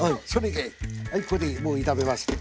はいこれでもう炒めます。